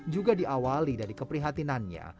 juga diawali dari keprihatinannya